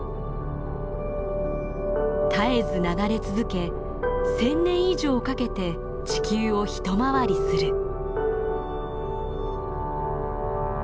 絶えず流れ続け１，０００年以上かけて地球を一回りする。